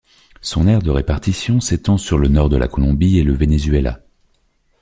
Son aire de répartition s'étend sur le nord de la Colombie et le Venezuela.